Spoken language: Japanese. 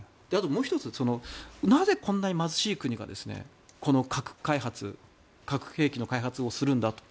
もう１つなぜこんなに貧しい国が核開発核兵器の開発をするんだと。